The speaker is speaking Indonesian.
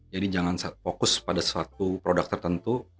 jadi jangan fokus pada suatu produk tertentu